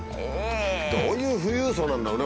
どういう富裕層なんだろうね？